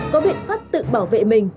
có biện pháp tự bảo vệ mình